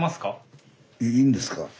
いいんですか？